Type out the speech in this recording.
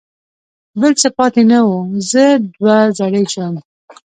بل څه پاتې نه و، زه دوه زړی شوم.